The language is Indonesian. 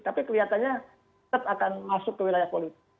tapi kelihatannya tetap akan masuk ke wilayah politik